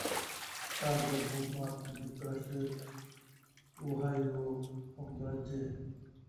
তার জন্ম মার্কিন যুক্তরাষ্ট্রের ওহাইও অঙ্গরাজ্যে।